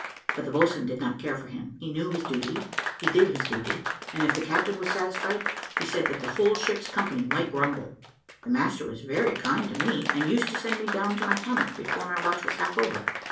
But the boatswain did not care for him; he knew his duty, he did his duty, and if the captain was satisfied, he said that the whole ship's company might grumble. The master was very kind to me, and used to send me down to my hammock before my watch was half over.